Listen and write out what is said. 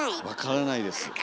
分からないです。